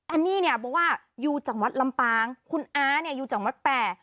อันนี้บอกว่าอยู่จากวัดลำปางคุณอาอยู่จากวัดแป่